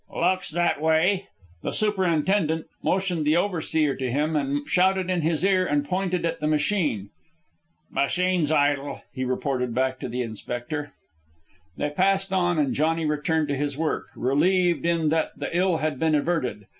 "Looks that way." The superintendent motioned the overseer to him and shouted in his ear and pointed at the machine. "Machine's idle," he reported back to the inspector. They passed on, and Johnny returned to his work, relieved in that the ill had been averted.